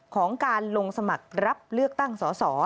ของการลงสมัครรับเลือกตั้งสอสอ